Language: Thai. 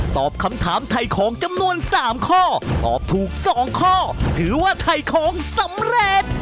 ตอบคำถามไถ่ของจำนวน๓ข้อตอบถูก๒ข้อถือว่าถ่ายของสำเร็จ